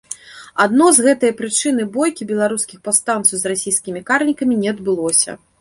Адно з гэтае прычыны бойкі беларускіх паўстанцаў з расійскімі карнікамі не адбылося.